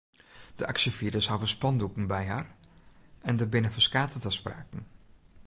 De aksjefierders hawwe spandoeken by har en der binne ferskate taspraken.